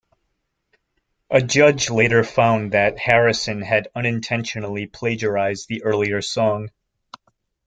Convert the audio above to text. A judge later found that Harrison had unintentionally plagiarized the earlier song.